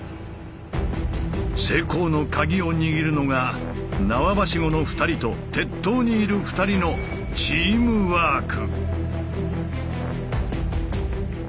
成功の鍵を握るのが縄ばしごの２人と鉄塔にいる２人のチームワーク。